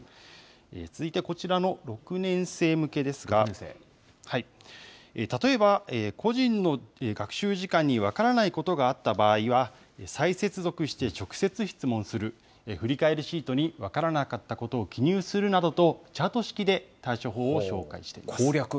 続いてこちらの６年生向けですが、例えば、個人の学習時間に分からないことがあった場合は、再接続して直接質問する、振り返りシートに分からなかったことを記入するなどと、チャート式で対処法を紹介しています。